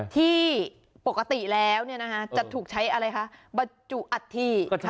ที่ปกติแล้วจะถูกใช้บรรจุอัตธิ